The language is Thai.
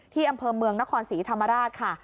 ที่อำเภอเมืองนครศรีธรรมราชค่ะ